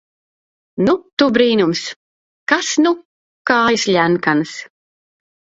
Nu, tu brīnums! Kas nu! Kājas ļenkanas...